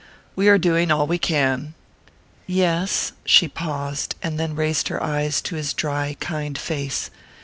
"We are doing all we can." "Yes." She paused, and then raised her eyes to his dry kind face.